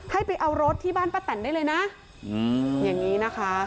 ให้ไปเอารถที่บ้านป้าแตนได้เลยนะอย่างนี้นะคะ